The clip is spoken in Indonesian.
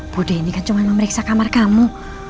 bude ini kan cuma memeriksa kamar kamu